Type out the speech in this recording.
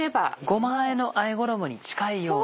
ごまあえのあえ衣に近いような。